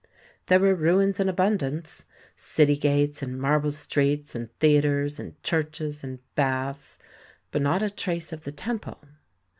There were ruins in abundance city gates and marble streets and theatres and churches and baths, but not a trace of the temple.